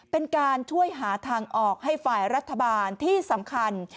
เป็นการช่วยหาทางออกให้ฝ่ายรัฐบาลที่สำคัญ